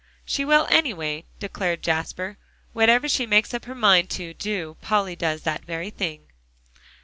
"She will, anyway," declared Jasper. "Whatever she makes up her mind to do, Polly does that very thing."